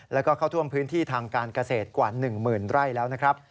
แล้วก็เข้าท่วมพื้นที่ทางการเกษตรกว่า๑๐๐๐ไร่แล้วนะครับ